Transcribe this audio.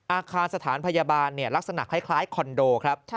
อาคารสถานพยาบาลลักษณะคล้ายคอนโดครับ